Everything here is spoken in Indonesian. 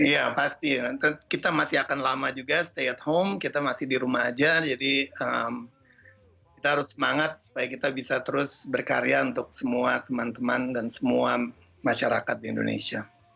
iya pasti kita masih akan lama juga stay at home kita masih di rumah aja jadi kita harus semangat supaya kita bisa terus berkarya untuk semua teman teman dan semua masyarakat di indonesia